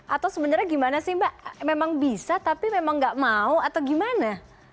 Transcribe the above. atau sebenarnya gimana sih mbak memang bisa tapi memang nggak mau atau gimana